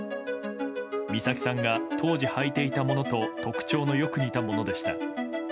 美咲さんが当時履いていたものと特徴のよく似たものでした。